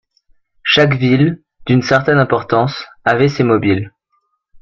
Chaque ville, d'une certaine importance, avait ses mobiles.